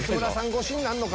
越しになるのか。